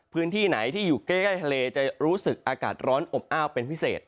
พื้นที่ไหนที่อยู่ใกล้ทะเลจะรู้สึกอากาศร้อนอบอ้าวเป็นพิเศษ